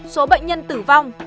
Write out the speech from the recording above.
số bệnh nhân tử vong